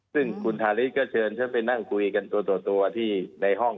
ซึ่งคุณฮาริสก็เชิญฉันไปนั่งคุยกันตัวที่ในห้อง